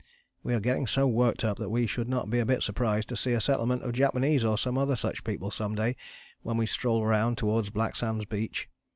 We are getting so worked up that we should not be a bit surprised to see a settlement of Japanese or some other such people some day when we stroll round towards Blacksand Beach.